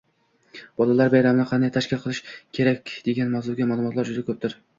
Bolalar bayramini qanday tashkil qilish kerak, degan mavzuga ma’lumotlar juda ko‘pdir.